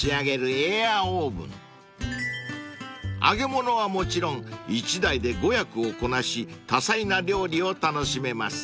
［揚げ物はもちろん一台で５役をこなし多彩な料理を楽しめます］